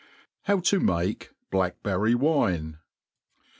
How to make Blackberry Wine.